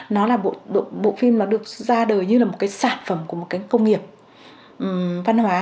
nó là bộ phim được ra đời như là một sản phẩm của một công nghiệp văn hóa